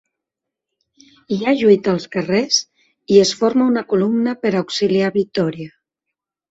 Hi ha lluita als carrers i es forma una columna per a auxiliar Vitòria.